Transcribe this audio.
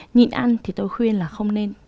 nhịn ăn thì tôi khuyên là không nên